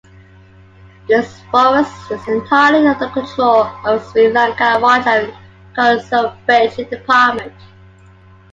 This forest area is entirely under the control of Sri Lanka Wildlife Conservation Department.